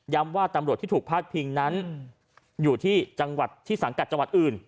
ว่าตำรวจที่ถูกพาดพิงนั้นอยู่ที่จังหวัดที่สังกัดจังหวัดอื่น